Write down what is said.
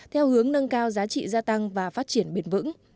theo hướng nâng cao giá trị gia tăng và phát triển bền vững